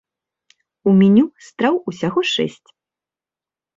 У меню страў усяго шэсць.